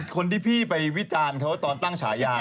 คนที่พี่ไปวิจารณ์เขาตอนตั้งฉายา